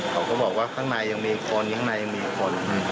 เขาก็บอกว่าข้างในยังมีคนข้างในมีคน